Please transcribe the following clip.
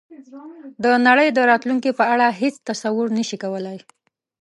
د نړۍ د راتلونکې په اړه هېڅ تصور نه شي کولای.